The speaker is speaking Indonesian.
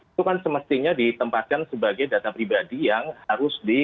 itu kan semestinya ditempatkan sebagai data pribadi yang ada di dalam aplikasi e hack